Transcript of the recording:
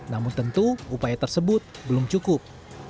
namun tentu upaya tersebut belum cukup